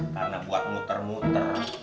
karena buat muter muter